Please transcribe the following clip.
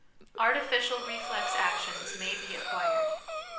Artificial Reflex Actions may be Acquired.